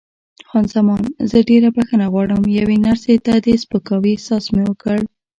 خان زمان: زه ډېره بښنه غواړم، یوې نرسې ته د سپکاوي احساس مې وکړ.